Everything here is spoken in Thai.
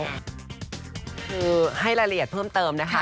คือให้รายละเอียดเพิ่มเติมนะคะ